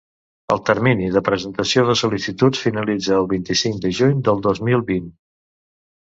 El termini de presentació de sol·licituds finalitza el vint-i-cinc de juny del dos mil vint.